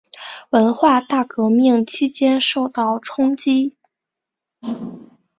文化大革命期间受到冲击。